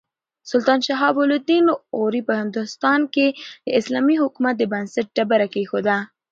سلطان شهاب الدین غوري په هندوستان کې د اسلامي حکومت د بنسټ ډبره کېښوده.